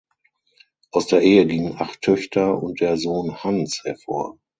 Aus der Ehe gingen acht Töchter und der Sohn Hans hervor.